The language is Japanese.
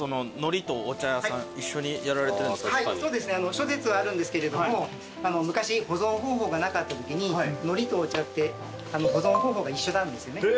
諸説あるんですけれども昔保存方法がなかったときに海苔とお茶って保存方法が一緒なんですよね。